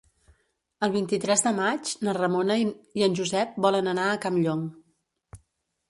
El vint-i-tres de maig na Ramona i en Josep volen anar a Campllong.